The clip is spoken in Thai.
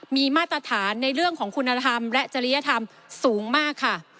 มีมาตรฐานในเรื่องของคุณธรรมและจริยธรรมสูงมากค่ะ